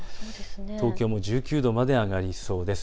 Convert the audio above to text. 東京も１９度まで上がりそうです。